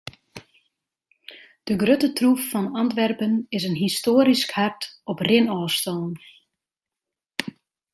De grutte troef fan Antwerpen is in histoarysk hart op rinôfstân.